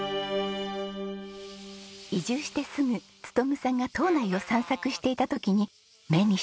移住してすぐ勉さんが島内を散策していた時に目にした光景。